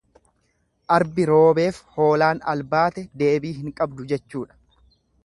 Arbi roobeef hoolaan albaate deebii hin qabdu jechuudha.